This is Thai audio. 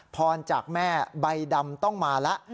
พรจากแม่ใบดำต้องมาแล้ว